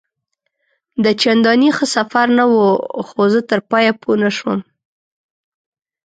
دا چنداني ښه سفر نه وو، خو زه تر پایه پوه نه شوم.